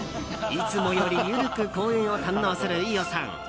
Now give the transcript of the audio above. いつもより緩く公園を堪能する飯尾さん。